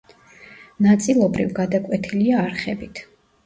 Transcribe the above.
ნაწილობრივ, გადაკვეთილია არხებით.